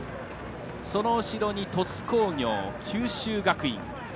その後ろに、鳥栖工業九州学院。